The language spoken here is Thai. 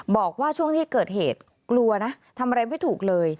บอกว่าช่วงที่เกิดเหตุกลัวนะทำอะไรไม่ถูกเลย